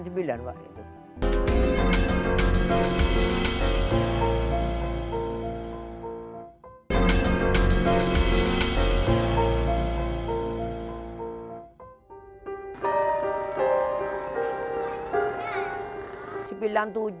silakan jika enggak